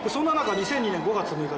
２００２年５月６日。